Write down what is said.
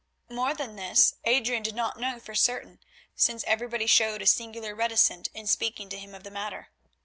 More than this Adrian did not know for certain, since everybody showed a singular reticence in speaking to him of the matter.